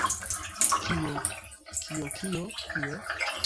Kio? Kio, kio? Kio?